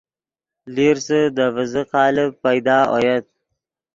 لیرسے دے ڤیزے قالب پیدا اویت